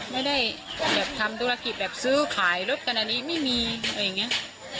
ไม่ได้แบบทำธุรกิจแบบซื้อขายรถกันอันนี้ไม่มีอะไรอย่างนี้